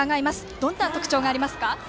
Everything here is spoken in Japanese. どんな特徴がありますか？